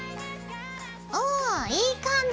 おおいい感じ！